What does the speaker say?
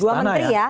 dua menteri ya